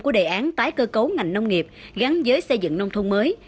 của đề án tái cơ cấu ngành nông nghiệp gắn với xây dựng nông thôn mới